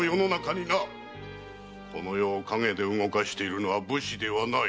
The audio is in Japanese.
この世を影で動かしているのは武士ではない。